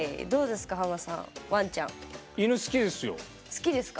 好きですか？